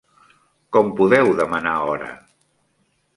Com podeu demanar hora?